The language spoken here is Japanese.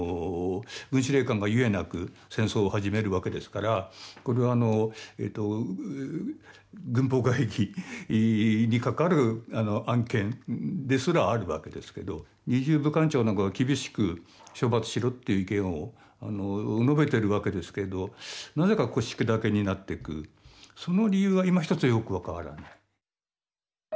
軍司令官が故なく戦争を始めるわけですからこれは軍法会議にかかる案件ですらあるわけですけど侍従武官長なんかが厳しく処罰しろという意見を述べてるわけですけれどなぜか腰砕けになってくその理由はいまひとつよく分からない。